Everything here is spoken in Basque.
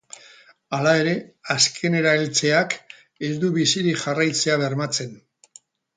Hala ere, azkenera heltzeak ez du bizirik jarraitzea bermatzen.